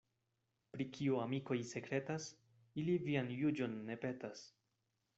Pri kio amikoj sekretas, ili vian juĝon ne petas.